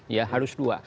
ya harus dua